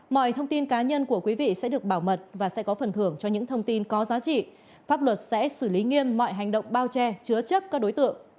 mọi thông tin cá nhân của quý vị sẽ được bảo mật và sẽ có phần thưởng cho những thông tin có giá trị pháp luật sẽ xử lý nghiêm mọi hành động bao che chứa chấp các đối tượng